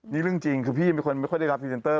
นี่เรื่องจริงคือพี่เป็นคนไม่ค่อยได้รับพรีเซนเตอร์